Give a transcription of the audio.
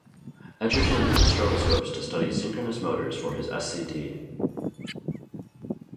Edgerton used stroboscopes to study synchronous motors for his Sc.D.